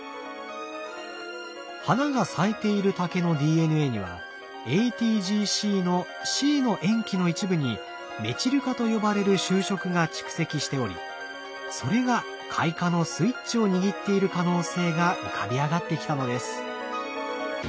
花が咲いている竹のＤＮＡにはＡＴＧＣのＣの塩基の一部にメチル化と呼ばれる修飾が蓄積しておりそれが開花のスイッチを握っている可能性が浮かび上がってきたのです。